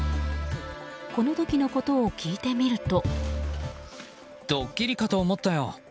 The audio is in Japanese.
この時のことを聞いてみると。